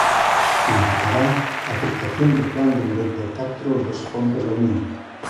Significará a aceptación do plan do noventa e catro e dos fondos da Unión.